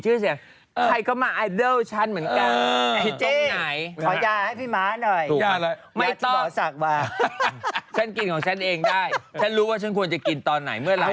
ฉันรู้ว่าฉันควรจะกลิ่นตอนไหนเมื่อละ